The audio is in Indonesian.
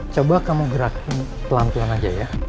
coba kamu gerakin pelan pelan aja ya